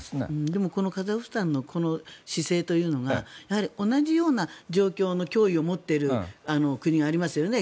でもカザフスタンの姿勢というのがやはり同じような状況の脅威を持っている国がありますよね